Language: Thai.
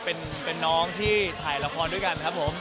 เป็นน้องที่ถ่ายละครด้วยกันครับผม